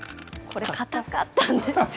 これ、硬かったんですよ。